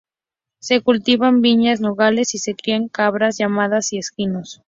Se cultivan viñas, nogales y se crían cabras, llamas y equinos.